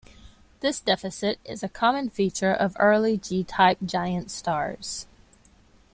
This deficit is a common feature of early G-type giant stars.